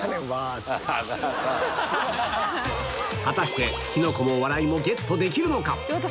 果たしてキノコも笑いもゲットできるのか？